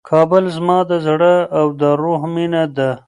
کابل زما د زړه او د روح مېنه ده.